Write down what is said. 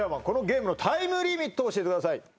このゲームのタイムリミットを教えてください。